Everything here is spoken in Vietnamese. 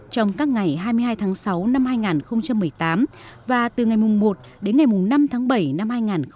trong các ngày hai mươi hai tháng sáu năm hai nghìn một mươi tám và từ ngày một đến ngày năm tháng bảy năm hai nghìn một mươi chín